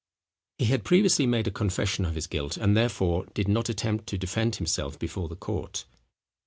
He had previously made a confession of his guilt, and, therefore, did not attempt to defend himself before the court.